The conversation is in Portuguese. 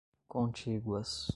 contíguas